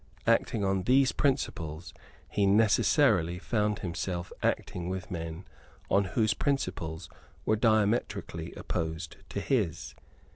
Acting on these principles he necessarily found himself acting with men whose principles were diametrically opposed to his.